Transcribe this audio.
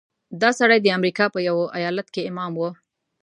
دا سړی د امریکا په یوه ایالت کې امام و.